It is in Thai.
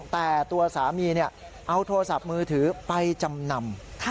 แต่ตัวสามีเอาโทรศัพท์มือถือไปจำนำ